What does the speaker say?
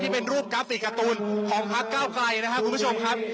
เป็นรูปกราฟิกการ์ตูนของพักเก้าไกลนะครับคุณผู้ชมครับ